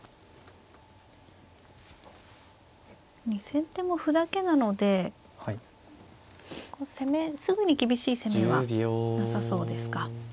先手も歩だけなのですぐに厳しい攻めはなさそうですか。